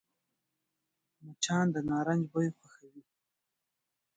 مچان د نارنج بوی خوښوي